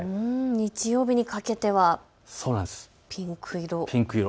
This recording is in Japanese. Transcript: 日曜日にかけてはピンク色。